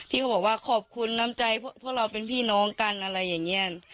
เขาบอกว่าขอบคุณน้ำใจพวกเราเป็นพี่น้องกันอะไรอย่างนี้